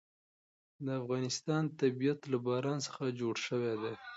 د افغانستان طبیعت له باران څخه جوړ شوی دی.